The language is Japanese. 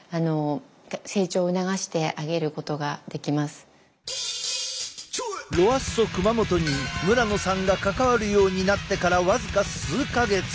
大体ロアッソ熊本に村野さんが関わるようになってから僅か数か月。